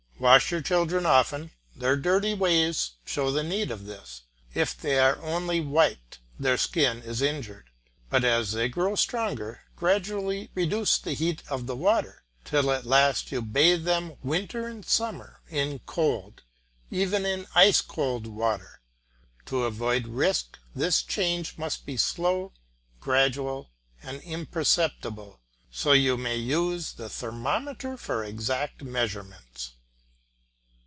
Wash your children often, their dirty ways show the need of this. If they are only wiped their skin is injured; but as they grow stronger gradually reduce the heat of the water, till at last you bathe them winter and summer in cold, even in ice cold water. To avoid risk this change must be slow, gradual, and imperceptible, so you may use the thermometer for exact measurements.